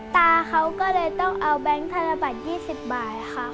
ตาเขาก็เลยต้องเอาแบงค์ธนบัตร๒๐บาทค่ะ